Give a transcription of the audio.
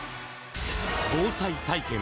防災体験